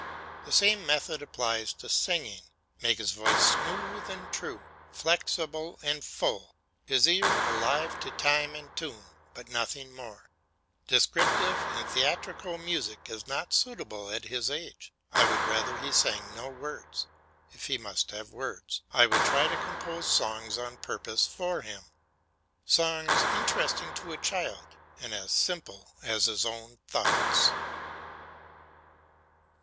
The same method applies to singing; make his voice smooth and true, flexible and full, his ear alive to time and tune, but nothing more. Descriptive and theatrical music is not suitable at his age I would rather he sang no words; if he must have words, I would try to compose songs on purpose for him, songs interesting to a child, and as simple as his own thoughts.